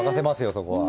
そこは。